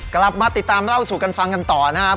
กลับมาติดตามเล่าสู่กันฟังกันต่อนะครับ